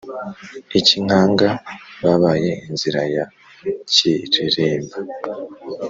i cyinkanga babaye inzira ya kireremba,